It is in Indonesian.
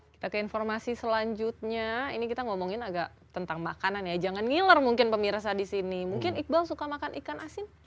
kita ke informasi selanjutnya ini kita ngomongin agak tentang makanan ya jangan ngiler mungkin pemirsa di sini mungkin iqbal suka makan ikan asin